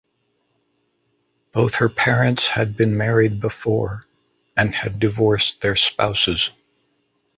Both her parents had been married before and had divorced their spouses.